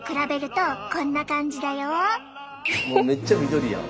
めっちゃ緑やん。